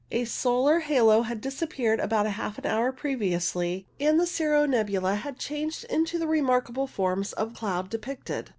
A solar halo had disappeared about half an hour previously, and the cirro nebula had changed into the remark able forms of cloud depicted.